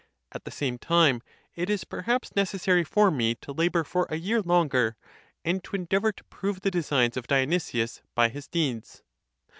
At the same time it is perhaps necessary for me to labour for a year longer, and to endeavour to prove the designs of Dionysius by his deeds.